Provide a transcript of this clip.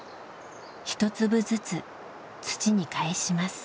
１粒ずつ土にかえします。